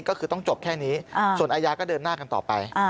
ก็คือต้องจบแค่นี้ส่วนอาญาก็เดินหน้ากันต่อไป